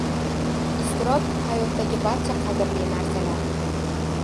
Iztirob hayotdagi barcha qadrli narsalar: